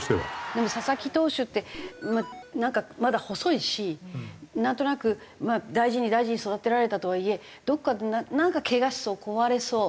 でも佐々木投手ってなんかまだ細いしなんとなく大事に大事に育てられたとはいえどこかなんかけがしそう壊れそう。